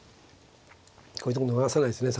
こういうとこ逃さないですね